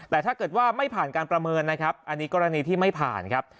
แต่ถ้าเกิดว่าไม่ผ่านการประเมินนะครับอันนี้กรณีที่ไม่ผ่านครับ